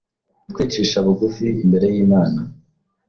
twicisha bugufi imbere y’Imana,